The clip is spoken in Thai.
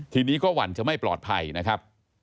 ทีนี้ก็หวั่นจะไม่ปลอดภัยนะครับ